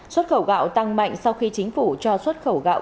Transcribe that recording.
xuất khẩu gạo tăng mạnh sau khi chính phủ cho xuất khẩu gạo